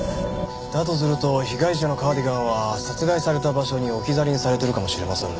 だとすると被害者のカーディガンは殺害された場所に置き去りにされてるかもしれませんね。